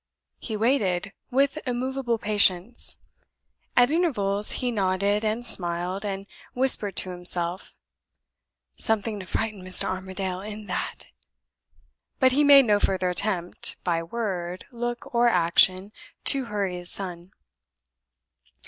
He waited with immovable patience. At intervals, he nodded, and smiled, and whispered to himself, "Something to frighten Mr. Armadale in that!" But he made no further attempt, by word, look, or action, to hurry his son.